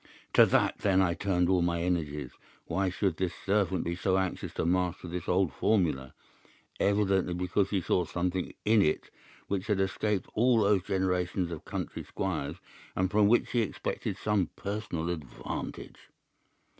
To that then I turned all my energies. Why should this servant be so anxious to master this old formula? Evidently because he saw something in it which had escaped all those generations of country squires, and from which he expected some personal advantage.